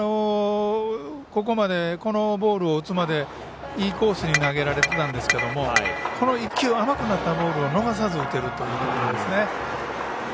ここまで、このボールを打つまでいいコースに投げられていたんですけどもこの１球、甘くなったボールを逃さず打てるというところですね。